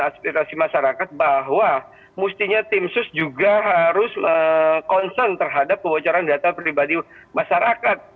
dan aspirasi masyarakat bahwa mustinya tim sus juga harus konsen terhadap kebocoran data pribadi masyarakat